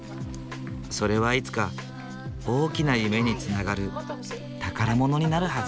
それはいつか大きな夢につながる宝物になるはず。